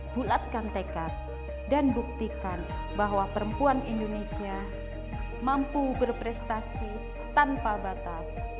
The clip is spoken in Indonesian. bulatkan tekad dan buktikan bahwa perempuan indonesia mampu berprestasi tanpa batas